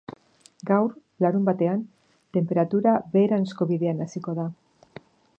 Gaur, larunbatean, tenperatura beheranzko bidean hasiko da.